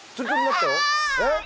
えっ？